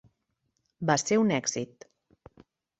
Va ser un èxit.